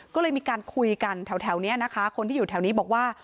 ก็เลยมีการคุยกันแถวนี้นะคะคนที่อยู่แถวนี้บอกว่า